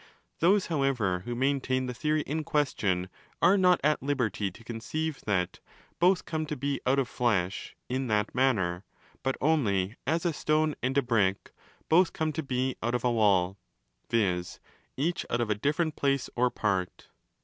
Those, however, who main tain the theory in question, are not at liberty to conceive 334° that ' both come to be out of flesh' in that manner, but only as a stone and a brick 'both come to be out of a wall'— viz. each out of a different place or part.